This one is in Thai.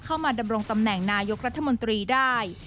ดำรงตำแหน่งนายกรัฐมนตรีได้